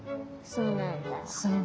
そうなんだ。